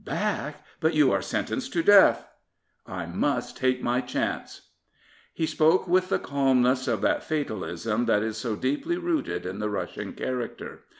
" Back? But you are sentenced to death." " I must take my chance." He spoke with the calmness of that fatalism that is so deeply rooted in the Russian character.